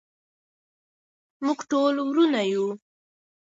موږ ټول ورونه یو.